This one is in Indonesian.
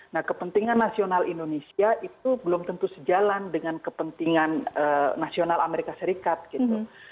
nah kepentingan nasional indonesia itu belum tentu sejalan dengan kepentingan nasional amerika serikat gitu